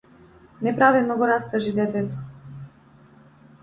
Неправедно го растажи детето.